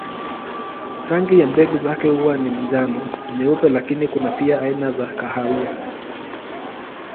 Rangi ya mbegu zake huwa ni njano, nyeupe lakini kuna pia aina za kahawia.